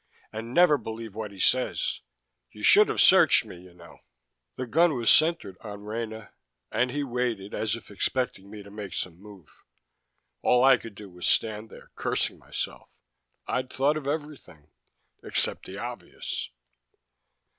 "And never believe what he says. You should have searched me, you know." The gun was centered on Rena and he waited, as if expecting me to make some move. All I could do was stand there, cursing myself. I'd thought of everything except the obvious!